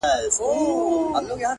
هغه د زړونو د دنـيـا لــه درده ولـوېږي”